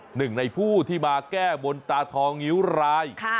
หนึ่งในผู้ที่มาแก้บนตาทองงิ้วราย